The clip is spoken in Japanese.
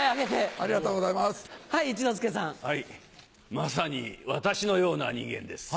まさに私のような人間です。